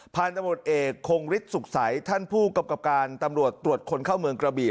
พันธุ์ตำรวจเอกคงฤทธิสุขใสท่านผู้กำกับการตำรวจตรวจคนเข้าเมืองกระบี่